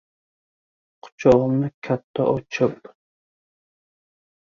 Quchog‘imni katta ochib: